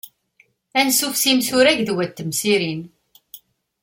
Ansuf s yimsurag d wat temsirin.